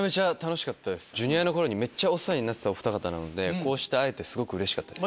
Ｊｒ．の頃にめっちゃお世話になってたお二方なのでこうして会えてすごくうれしかったです。